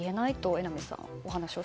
榎並さん。